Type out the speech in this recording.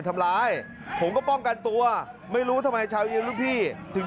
จริงจริงจริงจริงจริงจริงจริง